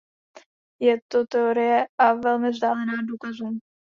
Je to teorie, a velmi vzdálená důkazům.